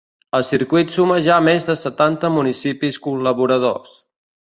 El circuit suma ja més de setanta municipis col·laboradors.